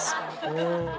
うん。